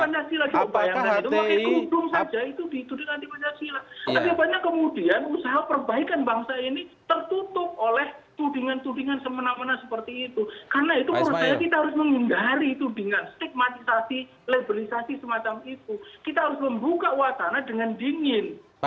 kita bicara di eropa pak